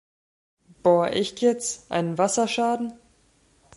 Boah, echt jetzt, ein Wasserschaden?